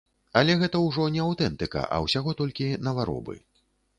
Але гэта ўжо не аўтэнтыка, а ўсяго толькі наваробы.